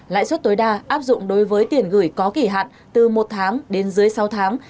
lãi suất tối đa áp dụng đối với tiền gửi có kỳ hạn từ một tháng đến dưới sáu tháng